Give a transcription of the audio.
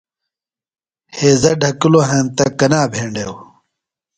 ہیضہ ڈھکِلوۡ ہینتہ کنا بھینڈیوۡ؟